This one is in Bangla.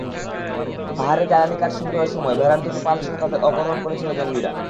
পাহাড়ে জ্বালানি কাঠ সংগ্রহের সময় ভেড়ার দুটি পালসহ তাঁদের অপহরণ করেছিল জঙ্গিরা।